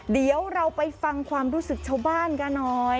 เดี๋ยวเราไปฟังความรู้สึกชาวบ้านกันหน่อย